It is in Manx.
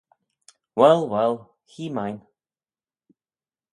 Wahll, wahll, hee main.